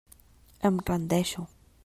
Em rendeixo.